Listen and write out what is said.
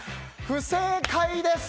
不正解です！